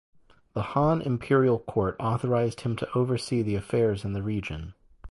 The Han imperial court authorised him to oversee the affairs in the region.